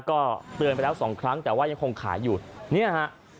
ก็เตือนไปแล้วสองครั้งแต่ว่ายังคงขายอยู่เนี่ยฮะ